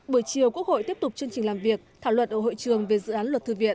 buổi chiều quốc hội tiếp tục chương trình làm việc thảo luận ở hội trường về dự án luật thư viện